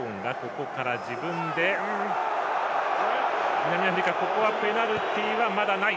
南アフリカペナルティーはまだない。